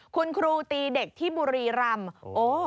คุณครูตีเด็กที่บุรีรำ